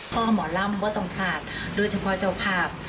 หมอล่ำว่าต้องพลาดโดยเฉพาะเจ้าภาพ